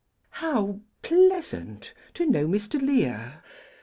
"How pleasant to know Mr. Lear!"